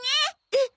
えっ！？